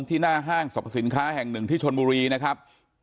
หน้าห้างสรรพสินค้าแห่งหนึ่งที่ชนบุรีนะครับ